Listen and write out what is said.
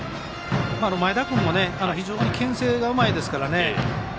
前田君も非常にけん制がうまいですから。